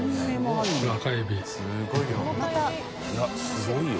すごい量。